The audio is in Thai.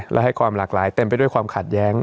และให้ความหลากหลายเต็มไปด้วยความขัดแย้ง